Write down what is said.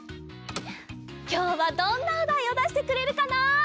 きょうはどんなおだいをだしてくれるかな？